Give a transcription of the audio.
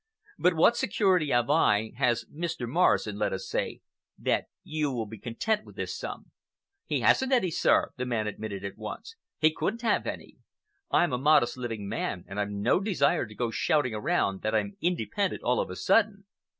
But what security have I—has Mr. Morrison, let us say—that you will be content with this sum?" "He hasn't any, sir," the man admitted at once. "He couldn't have any. I'm a modest living man, and I've no desire to go shouting around that I'm independent all of a sudden.